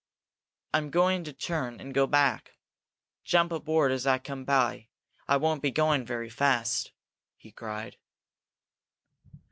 "I'm going to turn and go back. Jump aboard as I come by I won't be going very fast!" he cried.